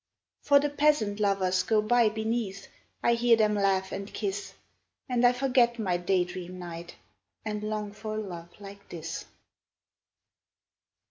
For the peasant lovers go by beneath, I hear them laugh and kiss, And I forget my day dream knight, And long for a love like this.